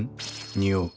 匂う。